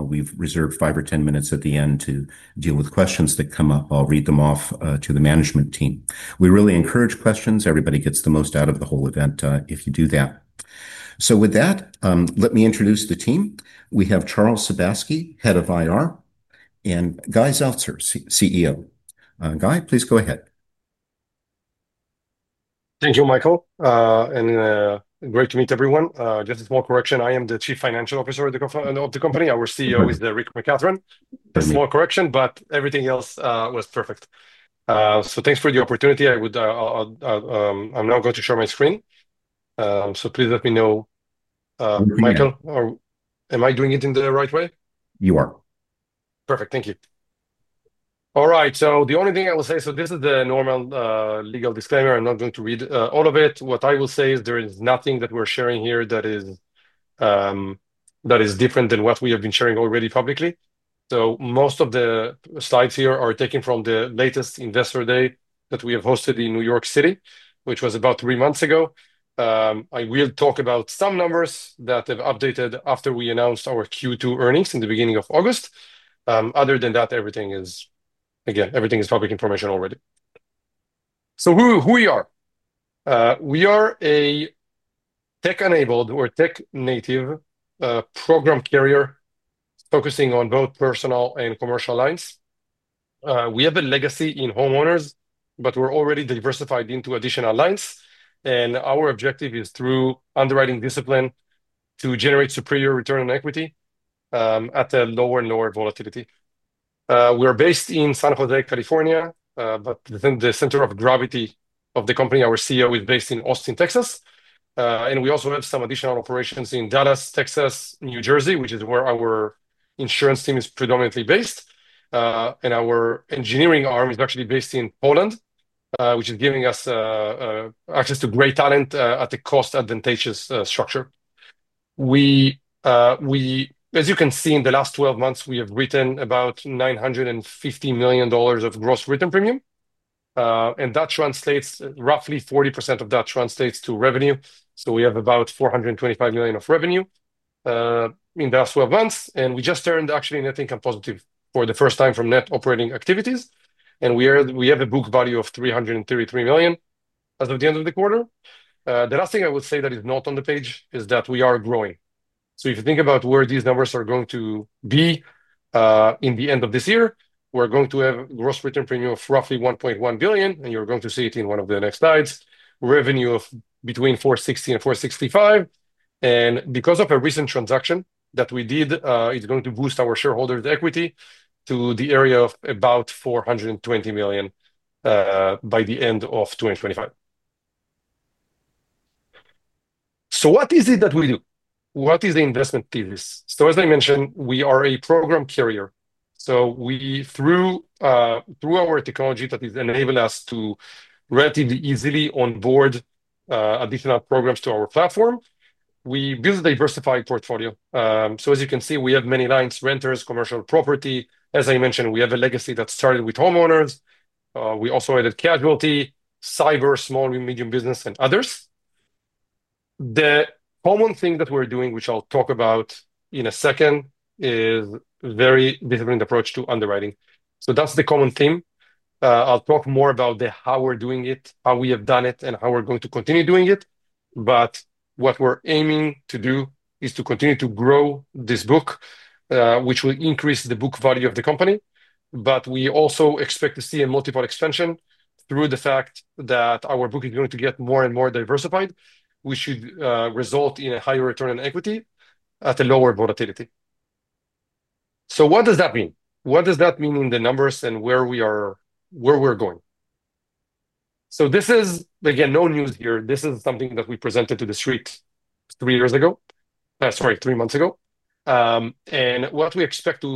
We've reserved five or ten minutes at the end to deal with questions that come up. I'll read them off to the management team. We really encourage questions. Everybody gets the most out of the whole event if you do that. With that, let me introduce the team. We have Charles Sebeski, Head of Investor Relations, and Guy Zeltser, CEO. Guy, please go ahead. Thank you, Michael. Great to meet everyone. Just a small correction. I am the Chief Financial Officer of the company. Our CEO is Richard McCathron. A small correction, but everything else was perfect. Thanks for the opportunity. I'm now going to share my screen. Please let me know, Michael, am I doing it in the right way? You are. Perfect. Thank you. All right. The only thing I will say, this is the normal legal disclaimer. I'm not going to read all of it. What I will say is there is nothing that we're sharing here that is different than what we have been sharing already publicly. Most of the slides here are taken from the latest Investor Day that we have hosted in New York City, which was about three months ago. I will talk about some numbers that have updated after we announced our Q2 earnings in the beginning of August. Other than that, everything is, again, public information already. Who we are. We are a tech-enabled or tech-native program carrier focusing on both personal and commercial lines. We have a legacy in homeowners, but we're already diversified into additional lines. Our objective is through underwriting discipline to generate superior return on equity at a lower and lower volatility. We're based in San Jose, California, but the center of gravity of the company, our CEO, is based in Austin, Texas. We also have some additional operations in Dallas, Texas, New Jersey, which is where our insurance team is predominantly based. Our engineering arm is actually based in Poland, which is giving us access to great talent at a cost-advantageous structure. As you can see, in the last 12 months, we have written about $950 million of gross written premium. Roughly 40% of that translates to revenue. We have about $425 million of revenue in the last 12 months. We just earned, actually, net income positive for the first time from net operating activities. We have a book value of $333 million as of the end of the quarter. The last thing I would say that is not on the page is that we are growing. If you think about where these numbers are going to be in the end of this year, we're going to have a gross written premium of roughly $1.1 billion. You're going to see it in one of the next slides. Revenue of between $460 and $465 million. Because of a recent transaction that we did, it's going to boost our shareholders' equity to the area of about $420 million by the end of 2025. What is it that we do? What is the investment thesis? As I mentioned, we are a program carrier. Through our technology that enables us to relatively easily onboard additional programs to our platform, we build a diversified portfolio. As you can see, we have many lines: rentals, commercial property. As I mentioned, we have a legacy that started with homeowners. We also added casualty, cyber, small and medium business, and others. The common thing that we're doing, which I'll talk about in a second, is a very different approach to underwriting. That's the common theme. I'll talk more about how we're doing it, how we have done it, and how we're going to continue doing it. What we're aiming to do is to continue to grow this book, which will increase the book value of the company. We also expect to see a multiple expansion through the fact that our book is going to get more and more diversified, which should result in a higher return on equity at a lower volatility. What does that mean? What does that mean in the numbers and where we are going? This is, again, no news here. This is something that we presented to the street three years ago. Sorry, three months ago. What we expect to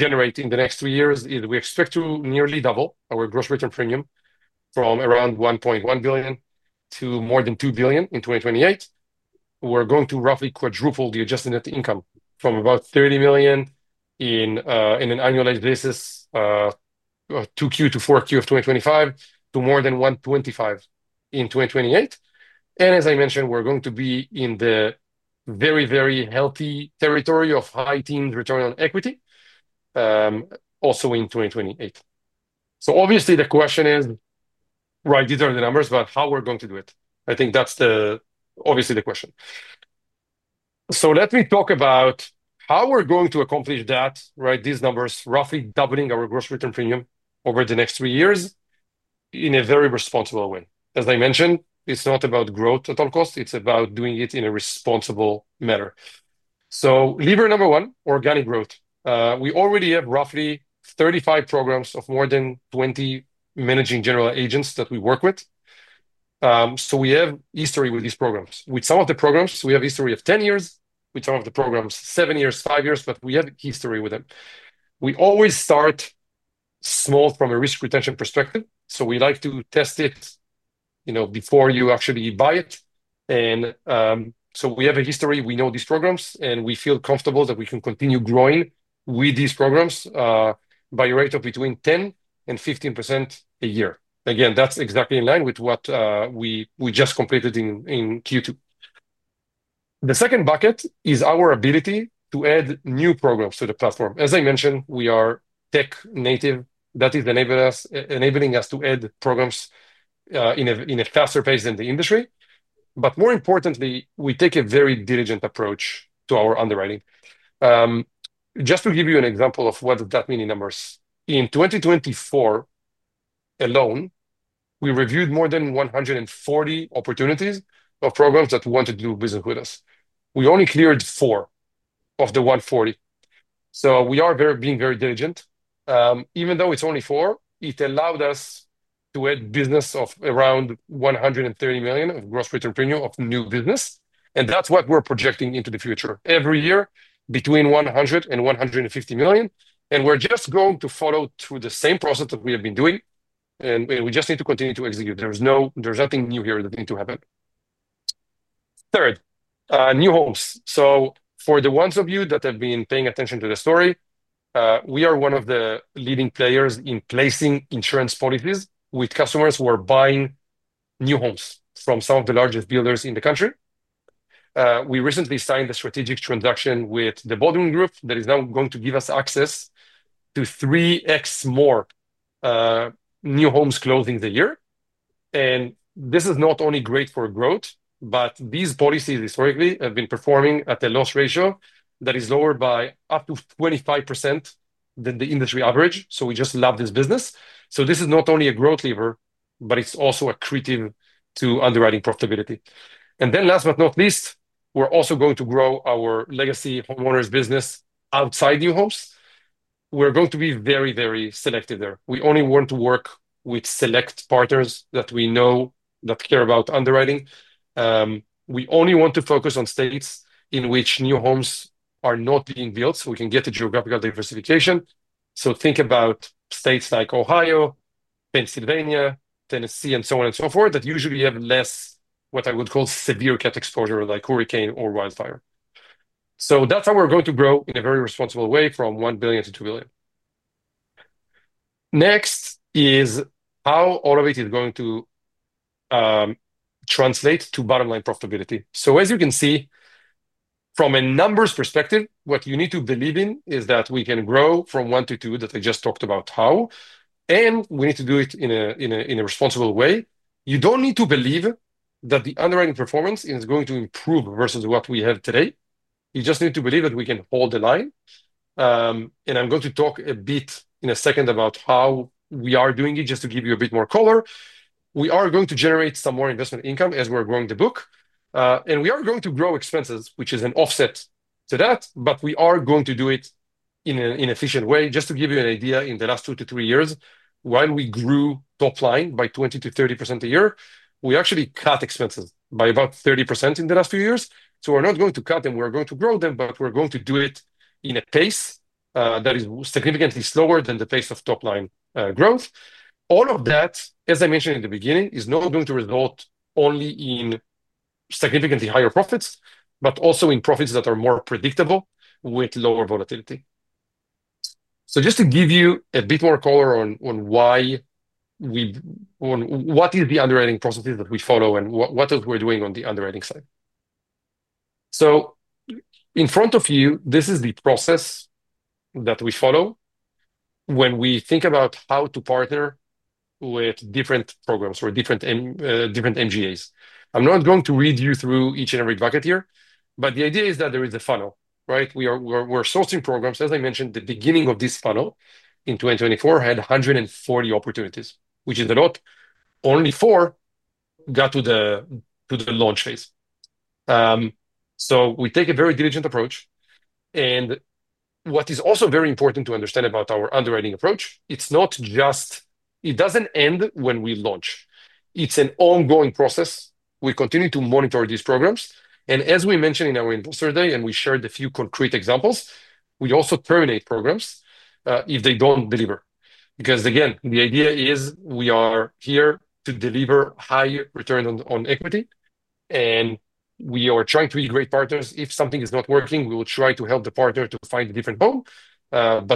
generate in the next three years is we expect to nearly double our gross written premium from around $1.1 billion to more than $2 billion in 2028. We're going to roughly quadruple the adjusted net income from about $30 million on an annualized basis Q2 to Q4 of 2025 to more than $125 million in 2028. As I mentioned, we're going to be in the very, very healthy territory of high-teens return on equity also in 2028. Obviously, the question is, these are the numbers, but how are we going to do it? I think that's obviously the question. Let me talk about how we're going to accomplish that, these numbers, roughly doubling our gross written premium over the next three years in a very responsible way. As I mentioned, it's not about growth at all costs. It's about doing it in a responsible manner. Lever number one, organic growth. We already have roughly 35 programs of more than 20 managing general agents that we work with. We have history with these programs. With some of the programs, we have a history of 10 years. With some of the programs, seven years, five years, but we have a history with them. We always start small from a risk retention perspective. We like to test it before you actually buy it. We have a history. We know these programs, and we feel comfortable that we can continue growing with these programs by a rate of between 10% and 15% a year. That's exactly in line with what we just completed in Q2. The second bucket is our ability to add new programs to the platform. As I mentioned, we are tech-native. That is enabling us to add programs at a faster pace than the industry. More importantly, we take a very diligent approach to our underwriting. Just to give you an example of what that means in numbers, in 2024 alone, we reviewed more than 140 opportunities of programs that want to do business with us. We only cleared 4 of the 140. We are being very diligent. Even though it's only 4, it allowed us to add business of around $130 million of gross written premium of new business. That's what we're projecting into the future every year, between $100 million and $150 million. We are just going to follow through the same process that we have been doing. We just need to continue to execute. There's nothing new here that needs to happen. Third, new homes. For the ones of you that have been paying attention to the story, we are one of the leading players in placing insurance policies with customers who are buying new homes from some of the largest builders in the country. We recently signed a strategic transaction with The Baldwin Group that is now going to give us access to 3x more new homes closed in the year. This is not only great for growth, but these policies historically have been performing at a loss ratio that is lower by up to 25% than the industry average. We just love this business. This is not only a growth lever, but it's also a critique to underwriting profitability. Last but not least, we're also going to grow our legacy homeowners' business outside new homes. We're going to be very, very selective there. We only want to work with select partners that we know care about underwriting. We only want to focus on states in which new homes are not being built so we can get a geographical diversification. Think about states like Ohio, Pennsylvania, Tennessee, and so on and so forth that usually have less, what I would call, severe cat exposure like hurricane or wildfire. That's how we're going to grow in a very responsible way from $1 billion to $2 billion. Next is how all of it is going to translate to bottom-line profitability. As you can see, from a numbers perspective, what you need to believe in is that we can grow from one to two that I just talked about how. We need to do it in a responsible way. You don't need to believe that the underwriting performance is going to improve versus what we have today. You just need to believe that we can hold the line. I'm going to talk a bit in a second about how we are doing it just to give you a bit more color. We are going to generate some more investment income as we're growing the book. We are going to grow expenses, which is an offset to that. We are going to do it in an efficient way. Just to give you an idea, in the last two to three years, while we grew top line by 20% to 30% a year, we actually cut expenses by about 30% in the last two years. We're not going to cut them. We're going to grow them, but we're going to do it in a pace that is significantly slower than the pace of top line growth. All of that, as I mentioned in the beginning, is not going to result only in significantly higher profits, but also in profits that are more predictable with lower volatility. Just to give you a bit more color on what is the underwriting processes that we follow and what we're doing on the underwriting side. In front of you, this is the process that we follow when we think about how to partner with different programs or different MGAs. I'm not going to read you through each and every bucket here, but the idea is that there is a funnel, right? We're sourcing programs. As I mentioned, the beginning of this funnel in 2024 had 140 opportunities, which is a lot. Only four got to the launch phase. We take a very diligent approach. What is also very important to understand about our underwriting approach, it doesn't end when we launch. It's an ongoing process. We continue to monitor these programs. As we mentioned in our Investor Day and we shared a few concrete examples, we also terminate programs if they don't deliver. The idea is we are here to deliver high return on equity. We are trying to be great partners. If something is not working, we will try to help the partner to find a different home.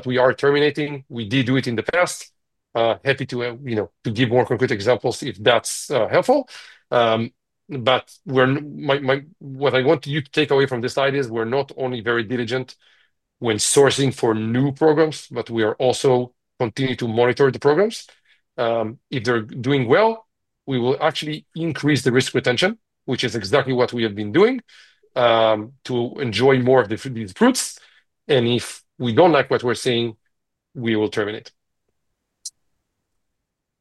We are terminating. We did do it in the past. Happy to give more concrete examples if that's helpful. What I want you to take away from this slide is we're not only very diligent when sourcing for new programs, but we are also continuing to monitor the programs. If they're doing well, we will actually increase the risk retention, which is exactly what we have been doing to enjoy more of these fruits. If we don't like what we're seeing, we will terminate.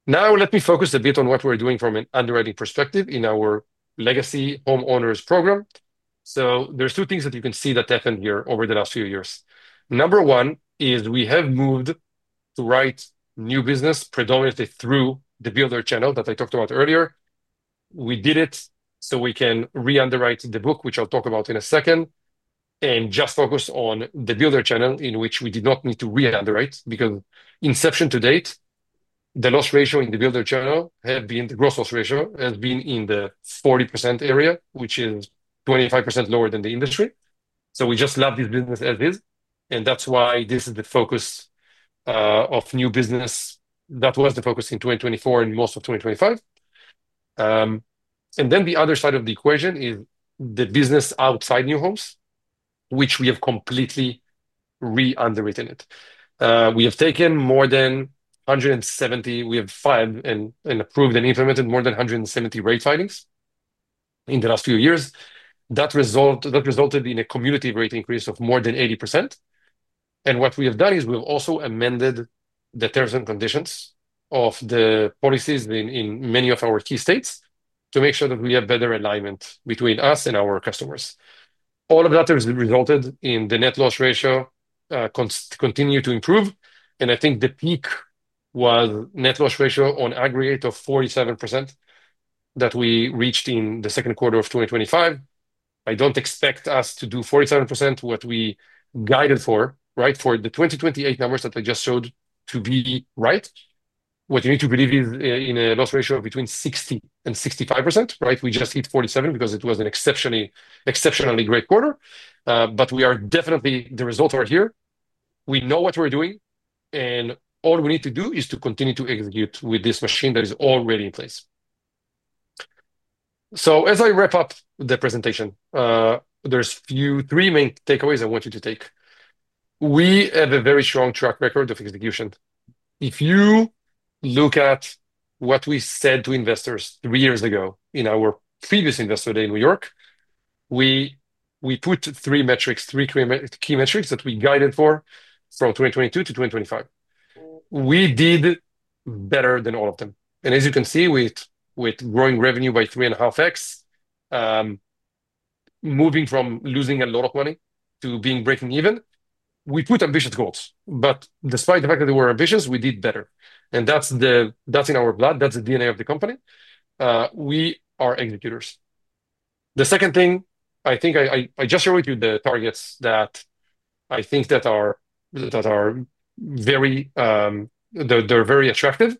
Now, let me focus a bit on what we're doing from an underwriting perspective in our legacy homeowners' program. There are two things that you can see that happened here over the last few years. Number one is we have moved to write new business predominantly through the builder channel that I talked about earlier. We did it so we can re-underwrite the book, which I'll talk about in a second, and just focus on the builder channel in which we did not need to re-underwrite because inception to date, the loss ratio in the builder channel has been, the gross loss ratio has been in the 40% area, which is 25% lower than the industry. We just love this business as is. That's why this is the focus of new business, that was the focus in 2024 and most of 2025. The other side of the equation is the business outside new homes, which we have completely re-underwritten. We have taken more than 170, we have filed and approved and implemented more than 170 rate filings in the last few years. That resulted in a cumulative rate increase of more than 80%. What we have done is we have also amended the terms and conditions of the policies in many of our key states to make sure that we have better alignment between us and our customers. All of that has resulted in the net loss ratio continuing to improve. I think the peak net loss ratio on aggregate of 47% that we reached in the second quarter of 2025. I don't expect us to do 47%. What we guided for, right, for the 2028 numbers that I just showed to be right, what you need to believe is in a loss ratio of between 60% and 65%, right? We just hit 47% because it was an exceptionally great quarter. We are definitely the result, we're here. We know what we're doing. All we need to do is to continue to execute with this machine that is already in place. As I wrap up the presentation, there are three main takeaways I want you to take. We have a very strong track record of execution. If you look at what we said to investors three years ago in our previous Investor Day in New York, we put three metrics, three key metrics that we guided for from 2022 to 2025. We did better than all of them. As you can see, with growing revenue by 3.5x, moving from losing a lot of money to being breaking even, we put ambitious goals. Despite the fact that we were ambitious, we did better. That's in our blood. That's the DNA of the company. We are executors. The second thing, I think I just showed you the targets that I think that are very attractive.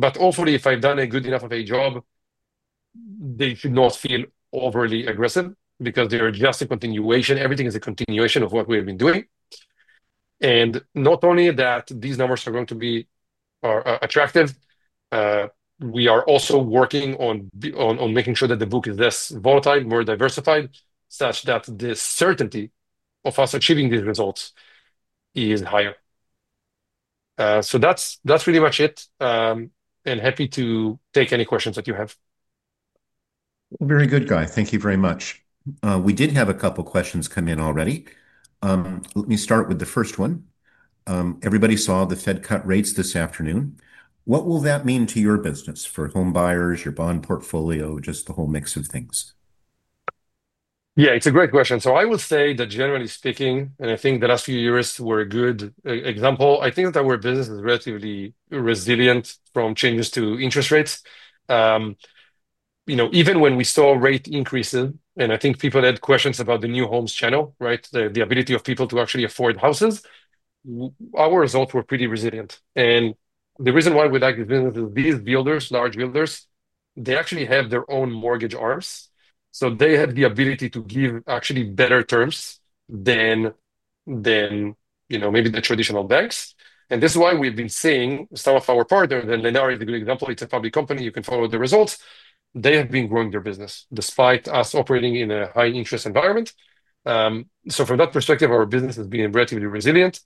Hopefully, if I've done a good enough job, they should not feel overly aggressive because they're just a continuation. Everything is a continuation of what we have been doing. Not only that these numbers are going to be attractive, we are also working on making sure that the book is less volatile, more diversified, such that the certainty of us achieving these results is higher. That's pretty much it. Happy to take any questions that you have. Very good, Guy. Thank you very much. We did have a couple of questions come in already. Let me start with the first one. Everybody saw the Fed cut rates this afternoon. What will that mean to your business for home buyers, your bond portfolio, just the whole mix of things? Yeah, it's a great question. I would say that generally speaking, and I think the last few years were a good example, our business is relatively resilient from changes to interest rates. Even when we saw rate increases, and I think people had questions about the new homes channel, the ability of people to actually afford houses, our results were pretty resilient. The reason why we like these builders, large builders, is they actually have their own mortgage arms. They have the ability to give actually better terms than maybe the traditional banks. This is why we've been seeing some of our partners, and Lennar is a good example. It's a public company. You can follow the results. They have been growing their business despite us operating in a high-interest environment. From that perspective, our business has been relatively resilient.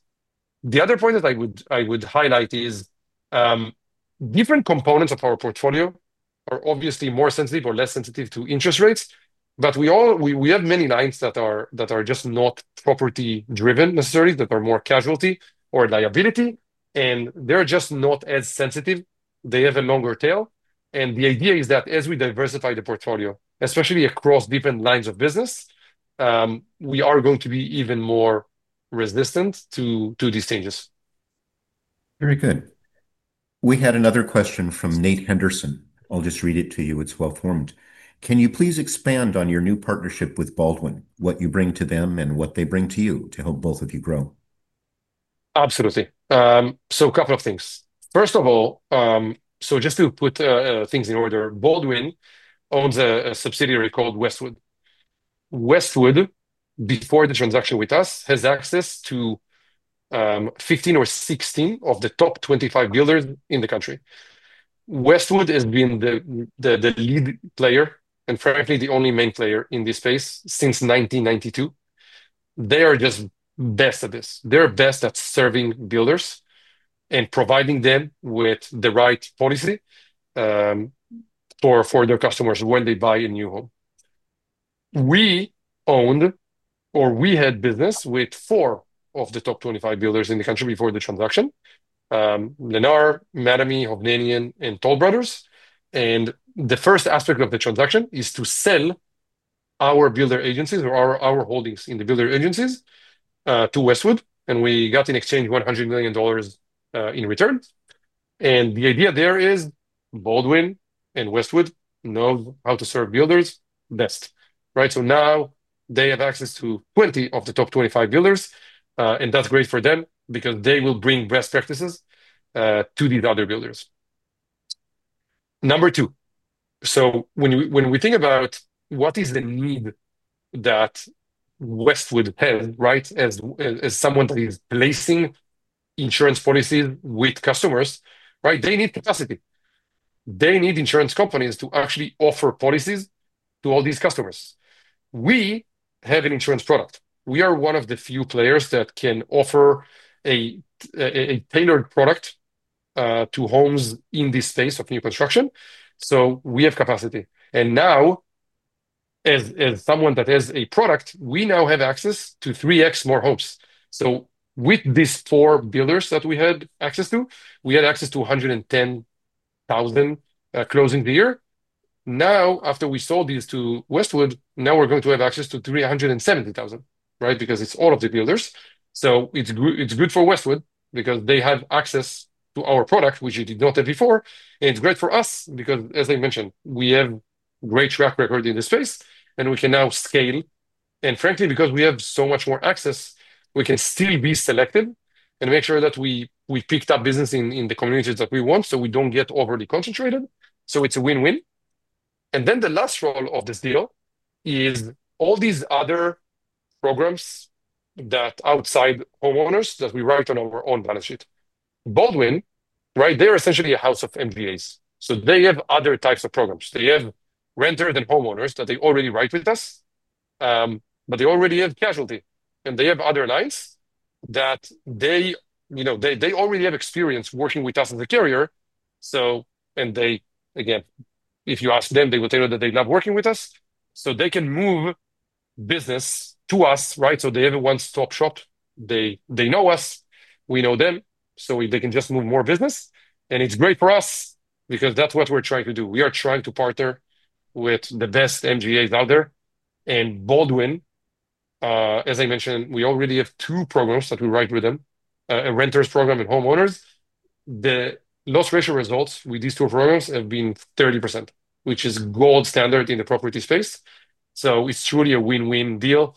The other point that I would highlight is different components of our portfolio are obviously more sensitive or less sensitive to interest rates. We have many lines that are just not property-driven necessarily, that are more casualty or liability. They're just not as sensitive. They have a longer tail. The idea is that as we diversify the portfolio, especially across different lines of business, we are going to be even more resistant to these changes. Very good. We had another question from Nate Henderson. I'll just read it to you. It's well-formed. Can you please expand on your new partnership with The Baldwin Group, what you bring to them and what they bring to you to help both of you grow? Absolutely. A couple of things. First of all, just to put things in order, The Baldwin Group owns a subsidiary called Westwood Insurance Agency. Westwood, before the transaction with us, has access to 15 or 16 of the top 25 builders in the country. Westwood has been the lead player and, frankly, the only main player in this space since 1992. They are just best at this. They're best at serving builders and providing them with the right policy for their customers when they buy a new home. We owned or we had business with four of the top 25 builders in the country before the transaction: Lennar, Mattamy, Hovnanian, and Toll Brothers. The first aspect of the transaction is to sell our builder agencies or our holdings in the builder agencies to Westwood. We got in exchange $100 million in return. The idea there is The Baldwin Group and Westwood know how to serve builders best, right? Now they have access to 20 of the top 25 builders. That's great for them because they will bring best practices to these other builders. Number two, when we think about what is the need that Westwood has, right, as someone that is placing insurance policies with customers, they need capacity. They need insurance companies to actually offer policies to all these customers. We have an insurance product. We are one of the few players that can offer a tailored product to homes in this space of new construction. We have capacity. Now, as someone that has a product, we now have access to 3x more homes. With these four builders that we had access to, we had access to 110,000 closings a year. After we sold these to Westwood, now we're going to have access to 370,000, right, because it's all of the builders. It's good for Westwood because they have access to our product, which they did not have before. It's great for us because, as I mentioned, we have a great track record in this space. We can now scale. Frankly, because we have so much more access, we can still be selective and make sure that we picked up business in the communities that we want so we don't get overly concentrated. It's a win-win. The last role of this deal is all these other programs that are outside homeowners that we write on our own balance sheet. The Baldwin Group, right, they're essentially a house of MBAs. They have other types of programs. They have renters and homeowners that they already write with us. They already have casualty. They have other lines that they already have experience working with us as a carrier. If you ask them, they will tell you that they love working with us. They can move business to us, right? They have a one-stop shop. They know us. We know them. They can just move more business. It's great for us because that's what we're trying to do. We are trying to partner with the best MGAs out there. Baldwin, as I mentioned, we already have two programs that we write with them, a renters program and homeowners. The loss ratio results with these two programs have been 30%, which is gold standard in the property space. It's truly a win-win deal.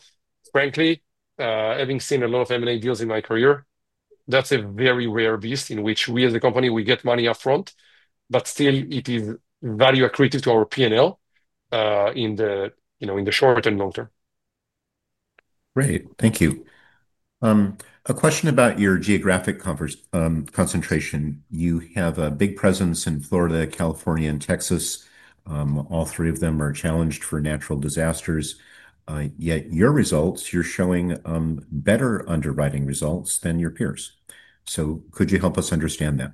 Frankly, having seen a lot of M&A deals in my career, that's a very rare beast in which we as a company get money upfront, but still, it is value accretive to our P&L in the short and long term. Great. Thank you. A question about your geographic concentration. You have a big presence in Florida, California, and Texas. All three of them are challenged for natural disasters. Yet your results, you're showing better underwriting results than your peers. Could you help us understand that?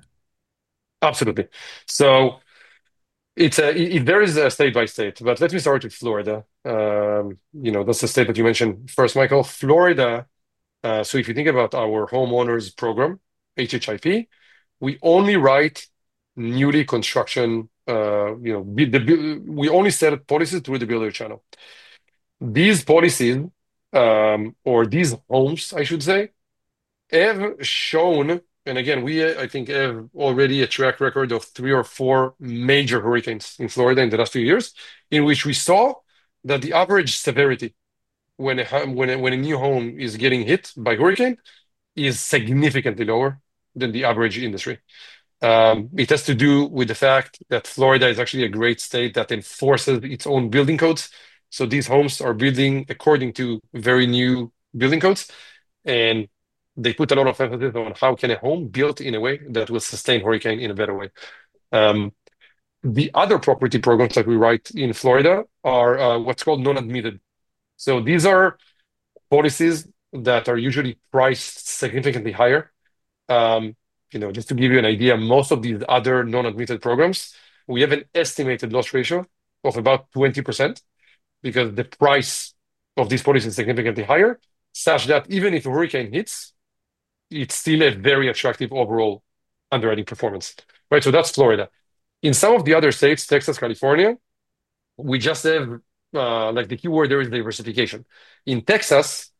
Absolutely. There is a state-by-state approach, but let me start with Florida. That's the state that you mentioned first, Michael. Florida, if you think about our homeowners' program, HHIP, we only write newly constructed homes. We only set up policies through the builder channel. These policies, or these homes, I should say, have shown, and again, I think we already have a track record of three or four major hurricanes in Florida in the last few years, in which we saw that the average severity when a new home is hit by a hurricane is significantly lower than the average industry. It has to do with the fact that Florida is actually a great state that enforces its own building codes. These homes are built according to very new building codes, and they put a lot of emphasis on how a home can be built in a way that will sustain a hurricane in a better way. The other property programs that we write in Florida are what's called non-admitted. These are policies that are usually priced significantly higher. Just to give you an idea, most of these other non-admitted programs, we have an estimated loss ratio of about 20% because the price of these policies is significantly higher, such that even if a hurricane hits, it's still a very attractive overall underwriting performance. That's Florida. In some of the other states, Texas and California, the keyword there is diversification. In Texas,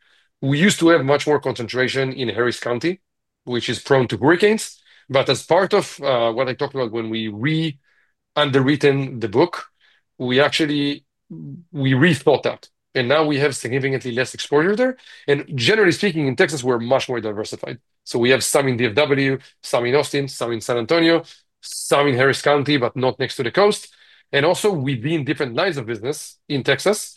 we used to have much more concentration in Harris County, which is prone to hurricanes. As part of what I talked about when we re-underwrote the book, we actually re-thought that. Now we have significantly less exposure there. Generally speaking, in Texas, we're much more diversified. We have some in DFW, some in Austin, some in San Antonio, some in Harris County, but not next to the coast. We've also been in different lines of business in Texas.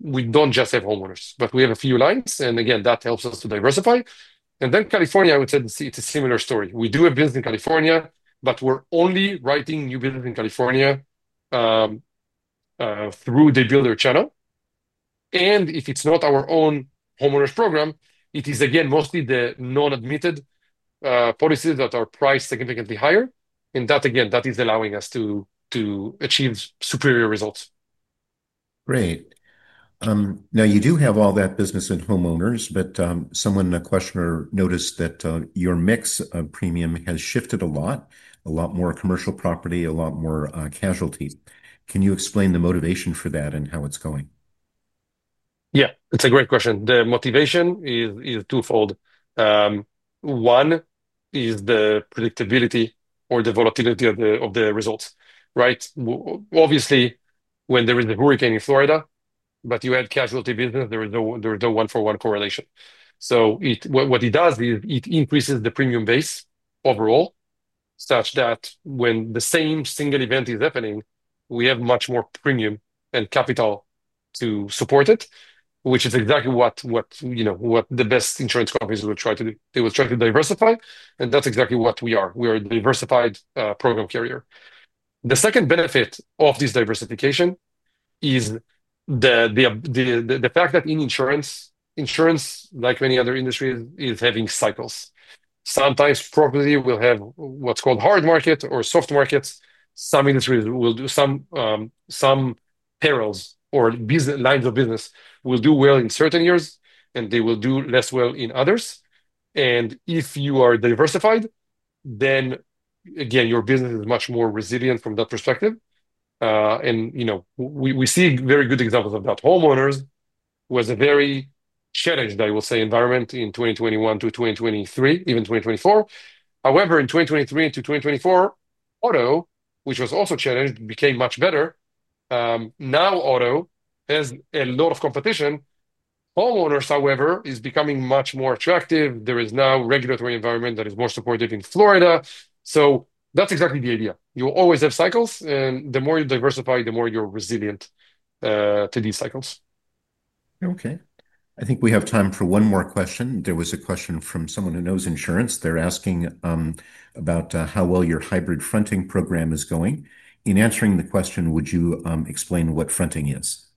We don't just have homeowners, but we have a few lines, and that helps us to diversify. In California, I would say it's a similar story. We do have business in California, but we're only writing new business in California through the builder channel. If it's not our own homeowners' program, it is again mostly the non-admitted policies that are priced significantly higher. That is allowing us to achieve superior results. Great. Now, you do have all that business in homeowners, but someone in a questioner noticed that your mix of premium has shifted a lot, a lot more commercial property, a lot more casualty. Can you explain the motivation for that and how it's going? Yeah, it's a great question. The motivation is twofold. One is the predictability or the volatility of the results, right? Obviously, when there is a hurricane in Florida, but you add casualty business, there is no one-for-one correlation. What it does is it increases the premium base overall, such that when the same single event is happening, we have much more premium and capital to support it, which is exactly what the best insurance companies will try to do. They will try to diversify. That's exactly what we are. We are a diversified program carrier. The second benefit of this diversification is the fact that in insurance, like many other industries, is having cycles. Sometimes property will have what's called hard market or soft markets. Some industries will do, some perils or lines of business will do well in certain years, and they will do less well in others. If you are diversified, then again, your business is much more resilient from that perspective. You know we see very good examples of that. Homeowners was a very challenged, I will say, environment in 2021 to 2023, even 2024. However, in 2023 to 2024, auto, which was also challenged, became much better. Now auto has a lot of competition. Homeowners, however, is becoming much more attractive. There is now a regulatory environment that is more supportive in Florida. That's exactly the idea. You always have cycles. The more you diversify, the more you're resilient to these cycles. OK. I think we have time for one more question. There was a question from someone who knows insurance. They're asking about how well your hybrid fronting program is going. In answering the question, would you explain what fronting is?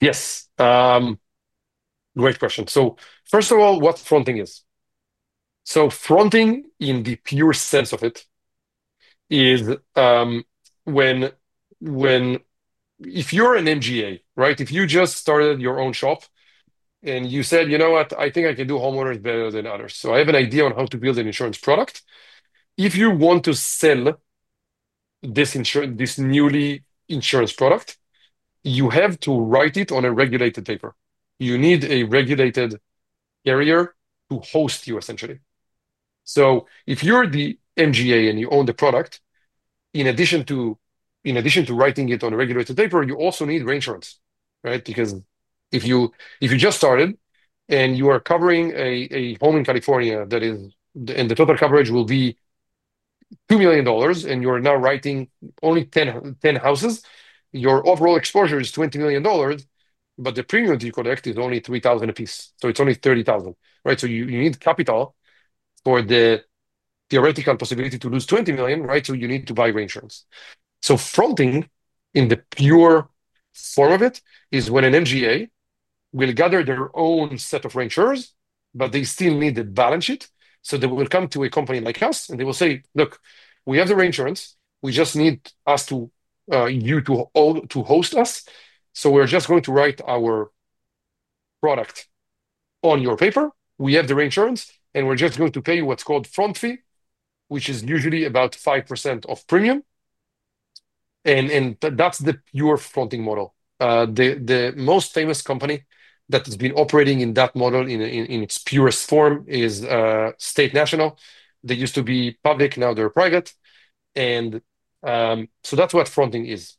Yes. Great question. First of all, what fronting is. Fronting in the pure sense of it is when, if you're an MGA, right, if you just started your own shop and you said, you know what, I think I can do homeowners better than others. I have an idea on how to build an insurance product. If you want to sell this new insurance product, you have to write it on a regulated paper. You need a regulated carrier to host you, essentially. If you're the MGA and you own the product, in addition to writing it on a regulated paper, you also need reinsurance, right? If you just started and you are covering a home in California that is, and the total coverage will be $2 million and you are now writing only 10 houses, your overall exposure is $20 million, but the premium that you collect is only $3,000 a piece. It's only $30,000, right? You need capital for the theoretical possibility to lose $20 million, right? You need to buy reinsurance. Fronting in the pure form of it is when an MGA will gather their own set of reinsurers, but they still need the balance sheet. They will come to a company like us and they will say, look, we have the reinsurance. We just need you to host us. We're just going to write our product on your paper. We have the reinsurance and we're just going to pay you what's called a front fee, which is usually about 5% of premium. That's the pure fronting model. The most famous company that has been operating in that model in its purest form is State National. They used to be public. Now they're private. That's what fronting is.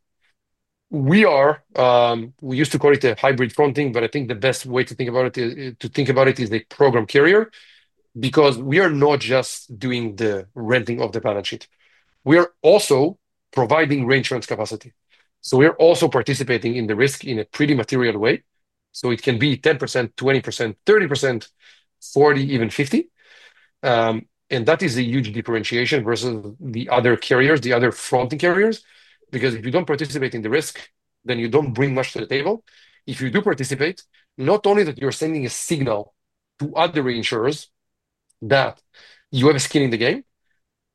We used to call it a hybrid fronting, but I think the best way to think about it is a program carrier because we are not just doing the renting of the balance sheet. We are also providing reinsurance capacity. We're also participating in the risk in a pretty material way. It can be 10%, 20%, 30%, 40%, even 50%. That is a huge differentiation versus the other carriers, the other fronting carriers, because if you don't participate in the risk, then you don't bring much to the table. If you do participate, not only that you're sending a signal to other reinsurers that you have skin in the game,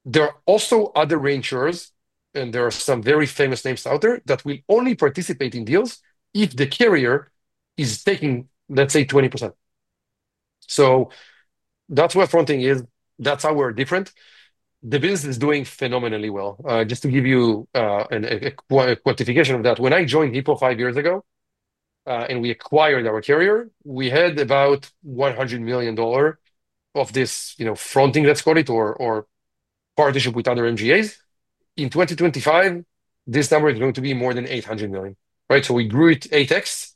there are also other reinsurers, and there are some very famous names out there that will only participate in deals if the carrier is taking, let's say, 20%. That's what fronting is. That's how we're different. The business is doing phenomenally well. Just to give you a quantification of that, when I joined Hippo five years ago and we acquired our carrier, we had about $100 million of this fronting, let's call it, or partnership with other MGAs. In 2025, this number is going to be more than $800 million. Right? We grew it 8x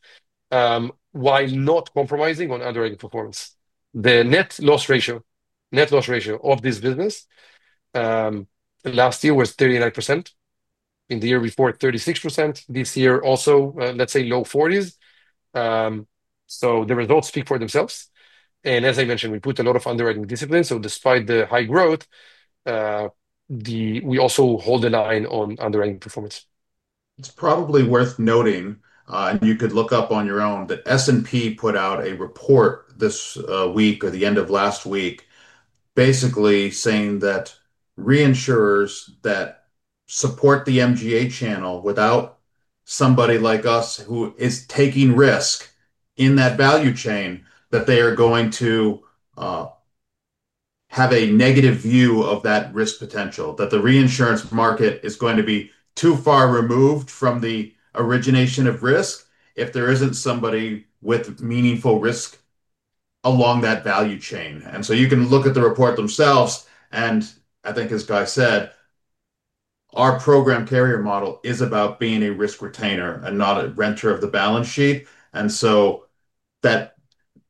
while not compromising on underwriting performance. The net loss ratio, net loss ratio of this business last year was 39%. The year before, 36%. This year also, let's say, low 40s. The results speak for themselves. As I mentioned, we put a lot of underwriting discipline. Despite the high growth, we also hold the line on underwriting performance. It's probably worth noting, and you could look up on your own, but S&P put out a report this week or the end of last week basically saying that reinsurers that support the MGA channel without somebody like us who is taking risk in that value chain, that they are going to have a negative view of that risk potential, that the reinsurance market is going to be too far removed from the origination of risk if there isn't somebody with meaningful risk along that value chain. You can look at the report themselves. I think, as Guy said, our program carrier model is about being a risk retainer and not a renter of the balance sheet.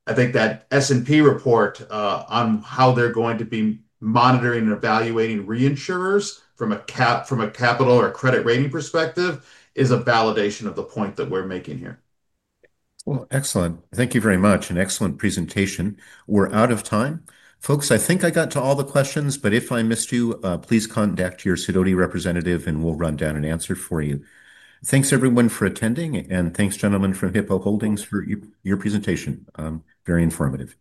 I think that S&P report on how they're going to be monitoring and evaluating reinsurers from a capital or credit rating perspective is a validation of the point that we're making here. Thank you very much. An excellent presentation. We're out of time. Folks, I think I got to all the questions, but if I missed you, please contact your CIDOT representative and we'll run down an answer for you. Thanks, everyone, for attending. Thanks, gentlemen, from Hippo Holdings for your presentation. Very informative.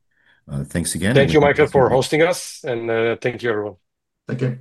Thanks again. Thank you, Michael, for hosting us. Thank you, everyone. Thank you.